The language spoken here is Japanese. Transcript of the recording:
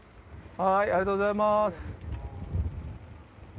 ありがとうございます。